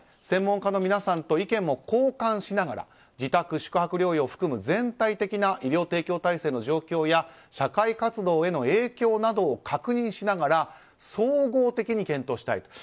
専門家の皆さんと意見を交換しながら自宅・宿泊療養を含む全体的な医療提供体制の状況や社会活動への影響などを確認しながら総合的に検討したい。